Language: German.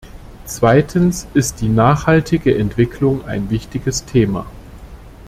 Zweitens ist die nachhaltige Entwicklung ein wichtiges Thema.